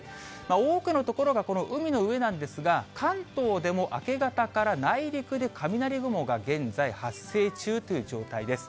多くの所がこの海の上なんですが、関東でも明け方から内陸で雷雲が現在、発生中という状態です。